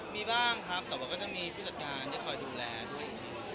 มีบ้างครับแต่ว่าก็จะมีผู้จัดการที่คอยดูแลด้วย